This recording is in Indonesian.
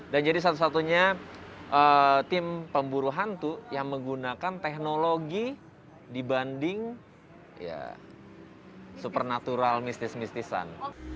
dan jadi satu satunya tim pemburu hantu yang menggunakan teknologi dibanding supernatural mistis mistisan